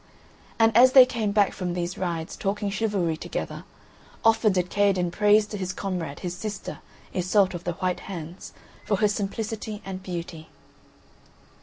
And as they came back from these rides, talking chivalry together, often did Kaherdin praise to his comrade his sister, Iseult of the White Hands, for her simplicity and beauty.